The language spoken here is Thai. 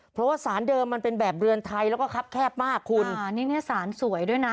เพราะว่าสารเดิมมันเป็นแบบเรือนไทยแล้วก็ครับแคบมากคุณอ่านี่เนี้ยสารสวยด้วยนะ